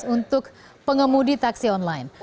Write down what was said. untuk pengemudi taksi online